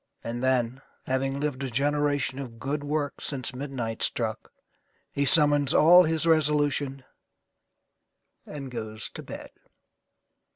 And then, having lived a generation of good works since midnight struck, he summons all his resolution and goes to bed.